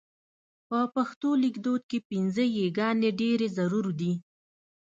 په پښتو لیکدود کې پينځه یې ګانې ډېرې ضرور دي.